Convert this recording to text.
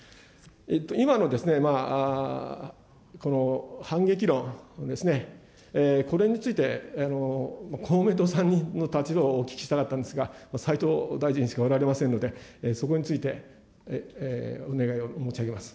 今の反撃論ですね、これについて、公明党さんの立場をお聞きしたかったんですが、斉藤大臣しかおられませんので、そこについてお願いを申し上げます。